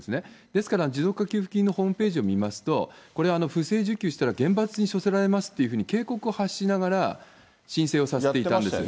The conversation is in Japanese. ですから、持続化給付金のホームページを見ますと、これ、不正受給したら厳罰に処せられますっていうふうに警告を発しながら申請をさせていたんです。